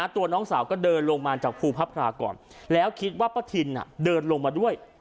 ตัวน้องสาวก็เดินลงมาจากภูพระพราก่อนแล้วคิดว่าป้าทินเดินลงมาด้วย